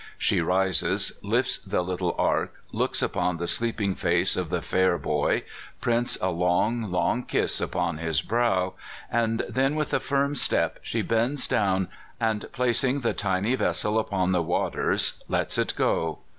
She rises, lifts the little ark, looks upon the sleeping face of the fair boy, prints a long, long kiss upon his brow, and then with a firm step she bends down, and placing the tiny vessel upon the waters, lets it go.